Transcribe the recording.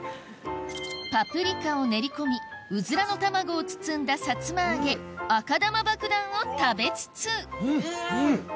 パプリカを練り込みうずらの卵を包んださつま揚げ赤玉爆弾を食べつつんん！